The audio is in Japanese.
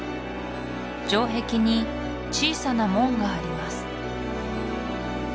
城壁に小さな門があります